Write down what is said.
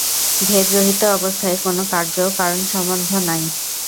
ভেদ-রহিত অবস্থায় কোন কার্য-কারণ-সম্বন্ধ নাই।